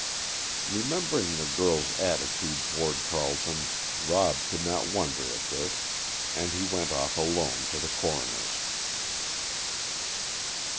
Remembering the girl's attitude toward Carleton, Rob could not wonder at this, and he went off alone to the coroner's.